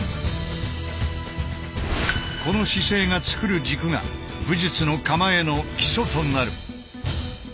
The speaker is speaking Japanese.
この姿勢が作る軸が武術の構えの基礎となる。